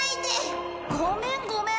ごめんごめん。